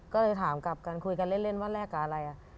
ก็เลยถามกลับกันคุยกันเล่นว่าแลกกับอะไร